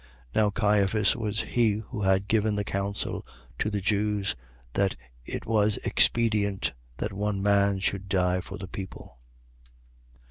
18:14. Now Caiphas was he who had given the counsel to the Jews: That it was expedient that one man should die for the people.